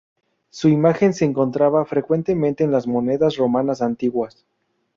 Su imagen se encontraba frecuentemente en las monedas romanas antiguas.